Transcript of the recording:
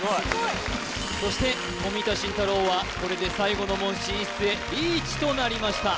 そして冨田信太郎はこれで最後の門進出へリーチとなりました